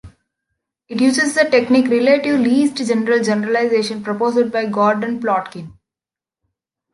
It uses the technique relative least general generalization proposed by Gordon Plotkin.